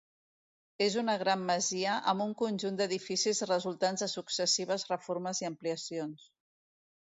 És una gran masia amb un conjunt d'edificis resultants de successives reformes i ampliacions.